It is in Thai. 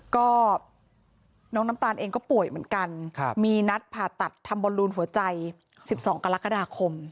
ก็น้องน้ำตาลเองก็ป่วยเหมือนกันมีนัดผ่าตัดทำบอลลูนหัวใจ๑๒กรกฎาคม